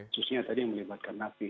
khususnya tadi yang melibatkan napi